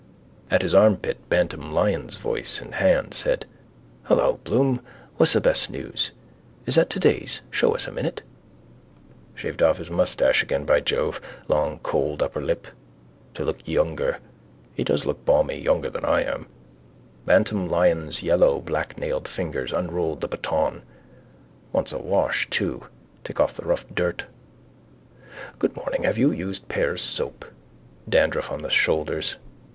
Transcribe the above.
At his armpit Bantam Lyons' voice and hand said: —Hello, Bloom. What's the best news? Is that today's? Show us a minute. Shaved off his moustache again, by Jove! Long cold upper lip. To look younger. He does look balmy. Younger than I am. Bantam Lyons's yellow blacknailed fingers unrolled the baton. Wants a wash too. Take off the rough dirt. Good morning, have you used Pears' soap? Dandruff on his shoulders.